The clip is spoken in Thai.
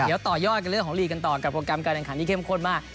เดี๋ยวต่อยอดกันเรื่องของลีกกันต่อกับโปรแกรมการแข่งขันที่เข้มข้นมาก